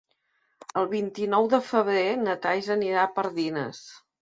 El vint-i-nou de febrer na Thaís anirà a Pardines.